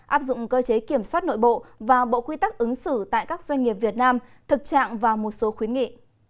áp dụng cơ chế kiểm soát nội bộ và bộ quy tắc ứng xử tại các doanh nghiệp việt nam thực trạng và một số khuyến nghị